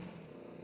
nggak ada pakarnya